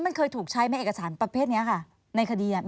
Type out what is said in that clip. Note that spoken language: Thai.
มันเคยถูกใช้ในเอกสารประเภทนี้ค่ะในคดี